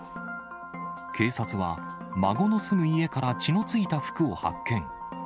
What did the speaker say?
警察は、孫の住む家から血のついた服を発見。